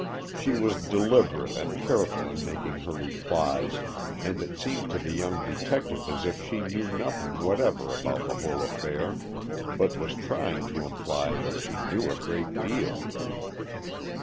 She was deliberate and careful in making her replies, and it seemed to the young detective as if she knew nothing whatever about the whole affair, but was trying to imply that she knew a great deal.